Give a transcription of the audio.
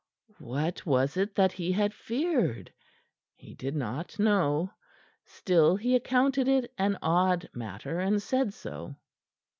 What was it that he had feared? He did not know. Still he accounted it an odd matter, and said so.